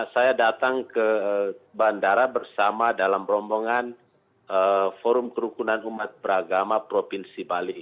saya datang ke bandara bersama dalam rombongan forum kerukunan umat beragama provinsi bali